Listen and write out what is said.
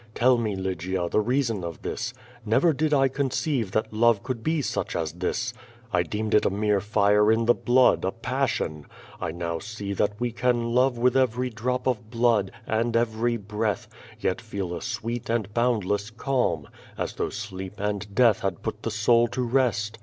Tell me, Lygia, the reason of this. Never did I conceive that love could be such as this. I deemed it a mere fire in the blood, a passion. I now see that we can love with everj' drop of blood, and every breath, yet feel a sweet and boundless calm, as though Sleep and Death had put the soul to rest.